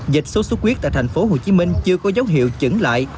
dịch sốt sốt huyết tại thành phố hồ chí minh chưa có dấu hiệu chứng lại